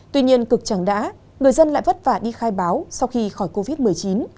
tuy nhiên cực chẳng đã người dân lại vất vả đi khai báo sau khi khỏi covid một mươi chín